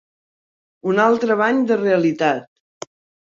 I un altre bany de realitat.